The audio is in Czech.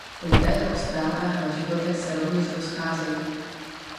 Údaje o ztrátách na životech se rovněž rozcházejí.